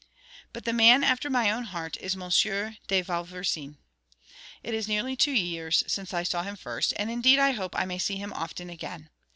But the man after my own heart is M. de Vauversin. It is nearly two years since I saw him first, and indeed I hope I may see him often again.